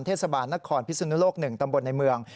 เทศบาลนครพิศนุโลก๑ตำบลในเมือง